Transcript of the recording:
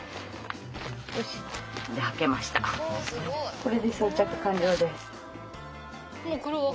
これで装着完了です。